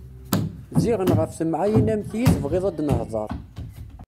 Ziɣen ɣef temɛayin am ti i tebɣiḍ ad nehder.